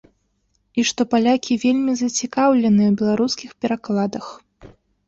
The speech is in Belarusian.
І што палякі вельмі зацікаўленыя ў беларускіх перакладах.